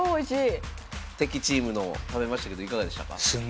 敵チームのを食べましたけどいかがでしたか？